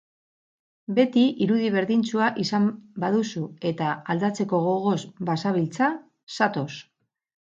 Beti irudi berdintsua izan baduzu eta aldatzeko gogoz bazabiltza, zatoz!